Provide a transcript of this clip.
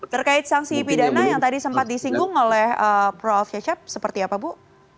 terkait sanksi pidana yang tadi sempat disinggung oleh prof cecep seperti apa bu